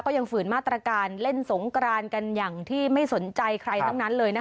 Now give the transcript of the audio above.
ยังฝืนมาตรการเล่นสงกรานกันอย่างที่ไม่สนใจใครทั้งนั้นเลยนะคะ